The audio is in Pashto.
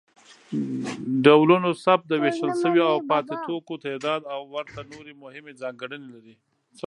ډولونوثبت، د ویشل شویو او پاتې توکو تعداد او ورته نورې مهمې ځانګړنې لري.